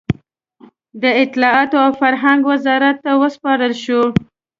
د اطلاعاتو او فرهنګ وزارت ته وسپارل شوه.